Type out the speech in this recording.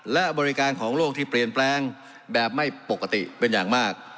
และบริการของโลกที่เปลี่ยนแปลงแบบไม่ปกติเป็นอย่างมาก